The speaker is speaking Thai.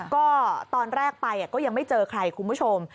ก็ตอนแรกไปก็ยังไม่เจอใครคุณผู้ชม